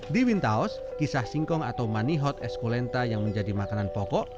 di wintaus kisah singkong atau manihot esculenta yang menjadi makanan pokok